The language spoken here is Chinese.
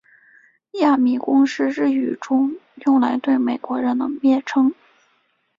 亚米公是日语中用来对美国人的蔑称。